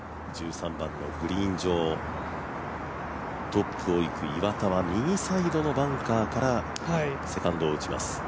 トップをいく岩田は右サイドのバンカーからセカンドを打ちます。